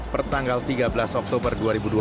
pertanggal tiga belas oktober dua ribu dua puluh